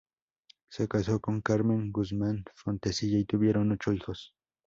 Se casó con Carmen Guzmán Fontecilla y tuvieron ocho hijos.